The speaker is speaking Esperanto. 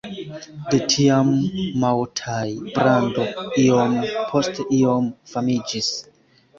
De tiam Maotai-brando iom post iom famiĝis.